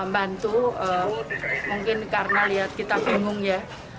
bantu mungkin karena lihat kita bingung ya